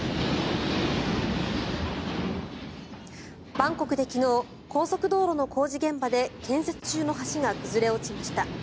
バンコクで昨日高速道路の工事現場で建設中の橋が崩れ落ちました。